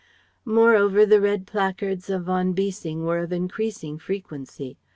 Moreover the Red Placards of von Bissing were of increasing frequency.